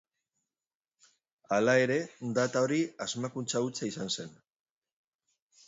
Hala ere, data hori asmakuntza hutsa izan zen.